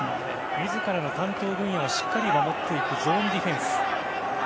自らの担当分野をしっかり守っていくゾーンディフェンス。